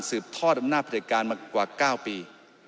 ทอดอำนาจประเด็จการมากว่า๙ปี